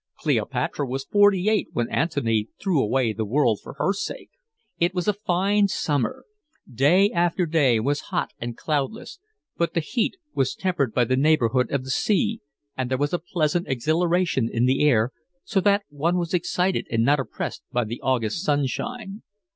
Cleopatra was forty eight when Antony threw away the world for her sake. It was a fine summer. Day after day was hot and cloudless; but the heat was tempered by the neighbourhood of the sea, and there was a pleasant exhilaration in the air, so that one was excited and not oppressed by the August sunshine.